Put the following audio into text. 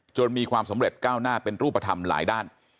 มีความสำเร็จก้าวหน้าเป็นรูปธรรมหลายด้าน